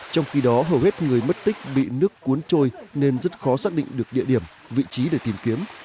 trong khi đó hầu hết người mất tích bị nước cuốn trôi nên rất khó xác định được địa điểm vị trí để tìm kiếm